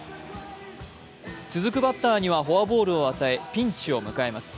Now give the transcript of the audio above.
続くバッターにはフォアボールを与えピンチを迎えます。